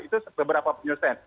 itu beberapa penyesuaian